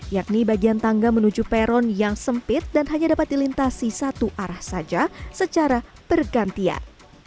yakni bagian tangga menuju peron yang sempit dan hanya dapat dilintasi satu arah saja secara bergantian